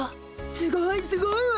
すごいすごいわ！